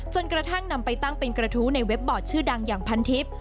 จนกระทั่งนำไปตั้งเป็นกระทู้ในเว็บบอร์ดชื่อดังอย่างพันทิพย์